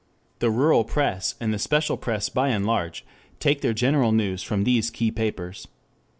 The rural press and the special press by and large, take their general news from these key papers.